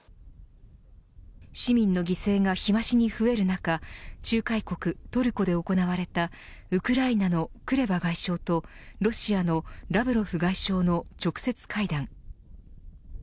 市民の犠牲が日増しに増える中仲介国トルコで行われたウクライナのクレバ外相とロシアのラブロフ外相の直接会談。